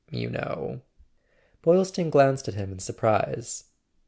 . you know. .." Boylston glanced at him in surprise.